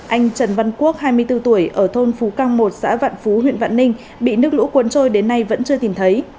anh trần văn quốc hai mươi bốn tuổi ở thôn phú căng một xã vạn phú huyện vạn ninh bị nước lũ cuốn trôi đến nay vẫn chưa tìm thấy